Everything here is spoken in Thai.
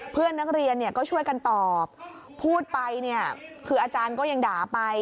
เพื่อนนักเรียนก็ช่วยกันตอบพูดไปเนี่ยคืออาจารย์ก็ยังด่าไป